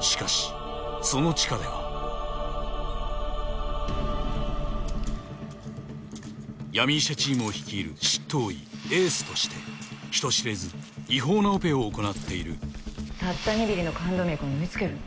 しかしその地下では闇医者チームを率いる執刀医エースとして人知れず違法なオペを行っているたった２ｍｍの冠動脈を縫い付けるの？